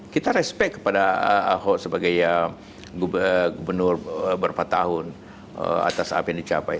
kita respect kepada ahok sebagai gubernur berapa tahun atas apa yang dicapai